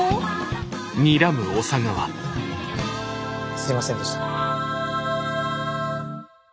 すいませんでした。